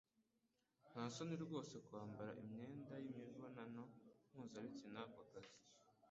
Ntasoni rwose kwambara imyenda yimibonano mpuzabitsina kukazi